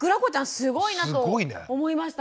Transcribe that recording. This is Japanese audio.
すごいなと思いました。